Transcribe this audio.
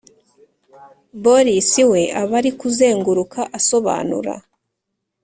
boris we aba ari kuzenguruka asobanura